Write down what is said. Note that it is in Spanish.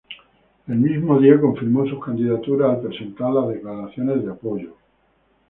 El mismo día confirmó su candidatura al presentar las declaraciones de apoyo.